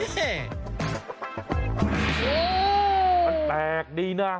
แตกดีนะ